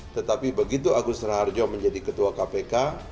tetapi begitu agus raharjo menjadi ketua kpk